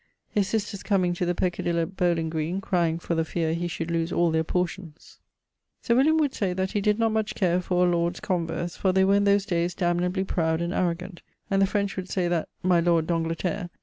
His sisters comeing to the Peccadillo bowling green crying for the feare he should loose all portions. Sir William would say that he did not much care for a lord's converse, for they were in those dayes damnably proud and arrogant, and the French would say that 'My lord d'Angleterre ...